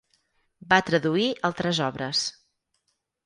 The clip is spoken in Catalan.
Va traduir altres obres.